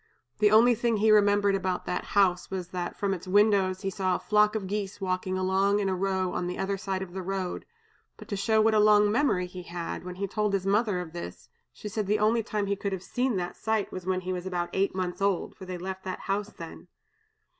The only thing he remembered about that house was that from its windows he saw a flock of geese walking along in a row on the other side of the road; but to show what a long memory he had, when he told his mother of this, she said the only time he could have seen that sight was, when he was about eight months old, for they left that house then.